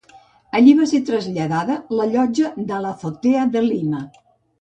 Allí va ser traslladada la llotja de l'Azotea de Lima.